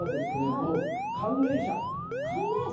この寒冷紗。